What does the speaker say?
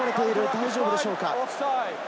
大丈夫でしょうか？